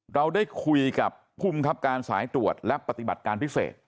เราได้คุยกับภูมิครับการสายตรวจและปฏิบัติการพิเศษ